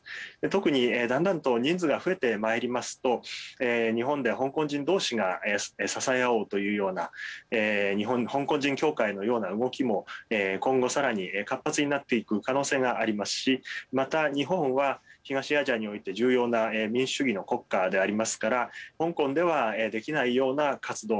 特に、だんだんと人数が増えてまいりますと日本で香港人どうしが支え合おうというような日本香港人協会のような動きも今後、さらに活発になっていく可能性がありますしまた、日本は、東アジアにおいて重要な民主主義の国家でありますから香港ではできないような活動